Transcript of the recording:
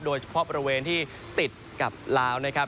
โดยเฉพาะบริเวณที่ติดกับลาวนะครับ